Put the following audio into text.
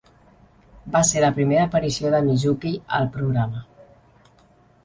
Va ser la primera aparició de Mizuki al programa.